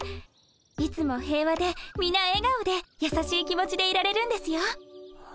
いつも平和でみな笑顔でやさしい気持ちでいられるんですよ。